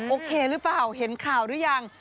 โอเคหรือเปล่าเห็นข่าวหรือยัง